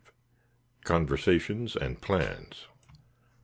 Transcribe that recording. CONVERSATIONS AND PLANS.